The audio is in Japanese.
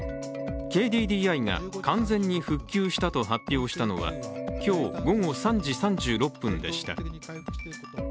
ＫＤＤＩが、完全に復旧したと発表したのは今日午後３時３６分でした。